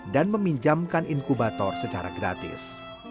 dan meminjamkan inkubator secara gratis